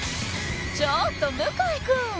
ちょっと向井くん！